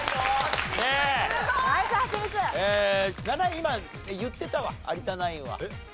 ７位今言ってたわ有田ナインは。